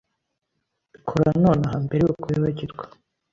Kora nonaha, mbere yuko wibagirwa.